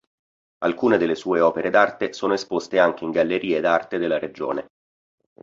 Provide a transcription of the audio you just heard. Alcune delle sue opere d'arte sono esposte anche in gallerie d'arte della regione.